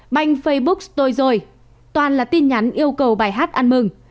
banh facebook tôi rồi toàn là tin nhắn yêu cầu bài hát ăn mừng